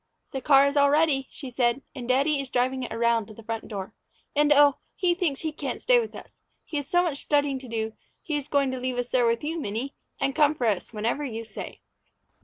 "The car is all ready," she said, "and daddy is driving it around to the front door. And oh, he thinks he can't stay with us. He has so much studying to do he is going to leave us there with you, Minnie, and come for us whenever you say."